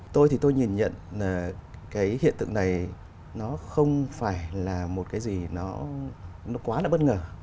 tôi thì tôi nhìn nhận là cái hiện tượng này nó không phải là một cái gì nó quá là bất ngờ